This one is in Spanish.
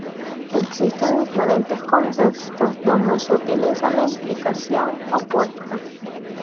Existen diferentes contextos dónde se utiliza la implicación opuesta.